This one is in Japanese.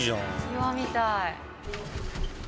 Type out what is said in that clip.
岩みたい。